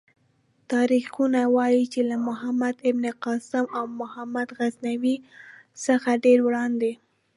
تاریخونه وايي چې له محمد بن قاسم او محمود غزنوي څخه ډېر وړاندې.